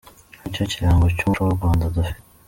Uyu nicyo kirango cy’umuco w’u Rwanda dufite.